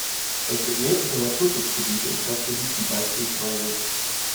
Es gibt mehrere Naturschutzgebiete im Stadtgebiet wie bspw.